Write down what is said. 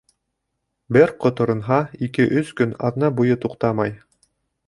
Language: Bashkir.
Бер ҡоторонһа, ике-өс көн, аҙна буйына туҡтамай.